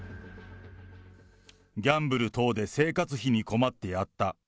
ギャンブル等で生活費に困ってやった。